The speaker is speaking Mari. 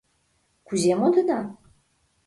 — Кузе модына?